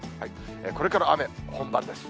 これから雨、本番です。